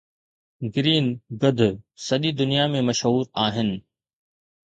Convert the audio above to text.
green گدھ سڄي دنيا ۾ مشهور آهن